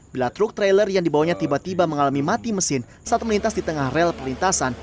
bila truk trailer yang dibawanya tiba tiba mengalami mati mesin saat melintas di tengah rel perlintasan